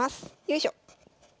よいしょ。